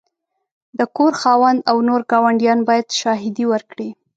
د کور خاوند او نور ګاونډیان باید شاهدي ورکړي.